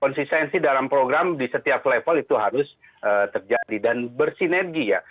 konsistensi dalam program di setiap level itu harus terjadi dan bersinergi ya